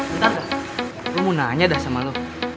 bentar dah gue mau nanya dah sama lo